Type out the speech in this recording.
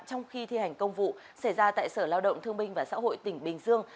trong khi thi hành công vụ xảy ra tại sở lao động thương minh và xã hội tỉnh bình dương